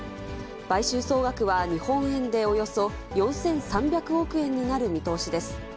買収総額は、日本円でおよそ４３００億円になる見通しです。